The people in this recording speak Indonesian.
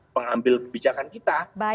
pengambil kebijakan kita